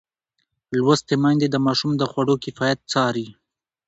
لوستې میندې د ماشوم د خواړو کیفیت څاري.